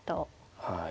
はい。